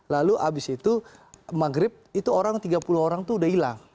lalu abis itu maghrib itu orang tiga puluh orang itu udah hilang